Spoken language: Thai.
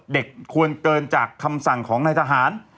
ควรเกินจากคำสั่งของนายทหาร